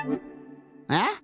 あっ！